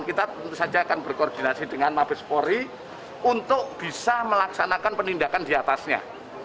kita tentu saja akan berkoordinasi dengan mabespori untuk bisa melaksanakan penindakan di atasnya